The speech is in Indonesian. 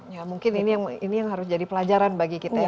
ya mungkin ini yang harus jadi pelajaran bagi kita ya